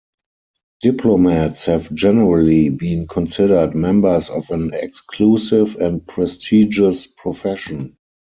Diplomats have generally been considered members of an exclusive and prestigious profession.